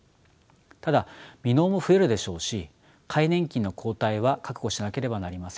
ただ未納も増えるでしょうし皆年金の後退は覚悟しなければなりません。